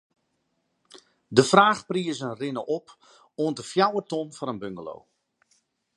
De fraachprizen rinne op oant de fjouwer ton foar in bungalow.